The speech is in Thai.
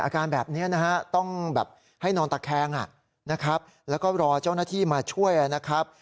อาการแบบนี้นะฮะต้องแบบให้นอนตะแคงนะครับแล้วก็รอเจ้าหน้าที่มาช่วยนะครับ